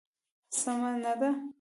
سمه نه ده.